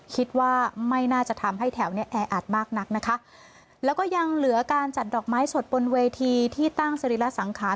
คิดว่าไม่น่าจะทำให้แถวเนี้ยแออัดมากนักนะคะแล้วก็ยังเหลือการจัดดอกไม้สดบนเวทีที่ตั้งสรีระสังขาร